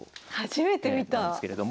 初めて見た！